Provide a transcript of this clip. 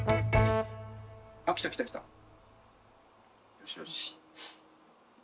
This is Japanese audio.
よしよし。